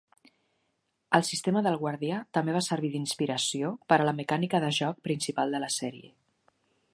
El sistema del guardià també va servir d'inspiració per a la mecànica de joc principal de la sèrie.